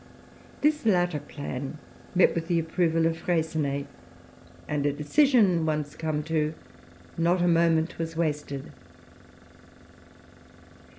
This latter plan met with the approval of Freycinet, and a decision once come to, not a moment was wasted.